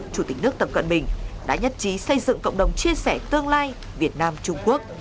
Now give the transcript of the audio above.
chủ tịch nước tập cận bình đã nhất trí xây dựng cộng đồng chia sẻ tương lai việt nam trung quốc